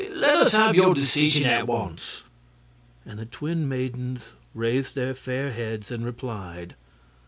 Let us have your decision at once!" And the twin maidens raised their fair heads and replied.